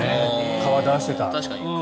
皮、出してた。